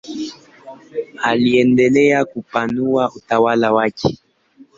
Aliendelea kupanua utawala wake.